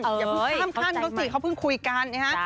อย่าเพิ่งข้ามขั้นเขาสิเขาเพิ่งคุยกันนะฮะ